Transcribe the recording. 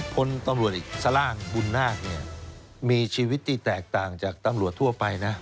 พลตำรวจเอกสล่างบุญนาคเนี่ยมีชีวิตที่แตกต่างจากตำรวจทั่วไปนะ